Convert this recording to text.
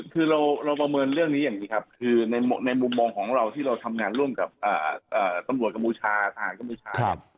คือเราประเมินเรื่องนี้อย่างนี้ครับคือในมุมมองของเราที่เราทำงานร่วมกับตำรวจกัมพูชาทหารกัมพูชา